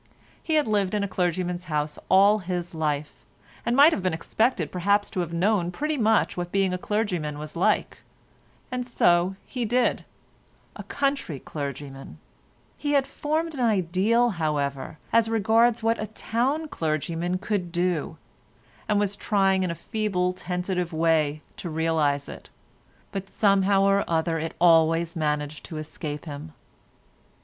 He had lived in a clergyman's house all his life, and might have been expected perhaps to have known pretty much what being a clergyman was like, and so he did—a country clergyman; he had formed an ideal, however, as regards what a town clergyman could do, and was trying in a feeble tentative way to realise it, but somehow or other it always managed to escape him.